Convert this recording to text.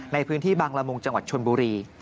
ในพื้นที่บางละมุงจังหวัดชนบุรี